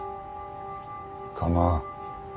構わん。